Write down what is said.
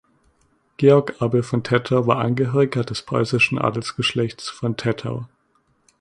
Georg Abel von Tettau war Angehöriger des preußischen Adelsgeschlechts von Tettau.